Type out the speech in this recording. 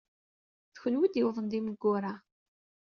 D kenwi ay d-yuwḍen d imeggura.